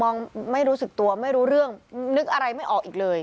ไม่รู้สึกตัวไม่รู้เรื่องนึกอะไรไม่ออกอีกเลย